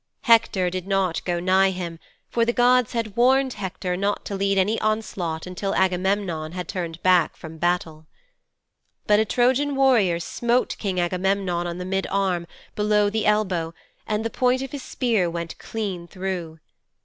Hector did not go nigh him, for the gods had warned Hector not to lead any onslaught until Agamemnon had turned back from battle.' 'But a Trojan warrior smote King Agamemnon on the mid arm, below the elbow, and the point of his spear went clean through.